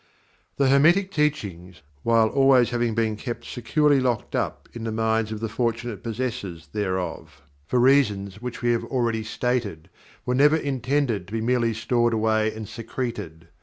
The Hermetic Teachings, while always having been kept securely locked up in the minds of the fortunate possessors thereof, for reasons which we have already stated, were never intended to be merely stored away and secreted.